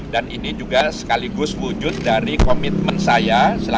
dan ini juga sekaligus wujud dari komitmen saya